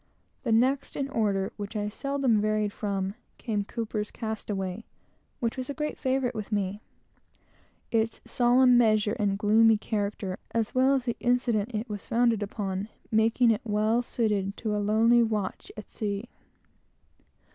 The next in the order, that I never varied from, came Cowper's Castaway, which was a great favorite with me; the solemn measure and gloomy character of which, as well as the incident that it was founded upon, made it well suited to a lonely watch at sea.